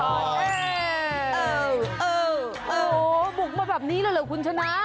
โอ้โหบุกมาแบบนี้แล้วเหรอคุณชนะ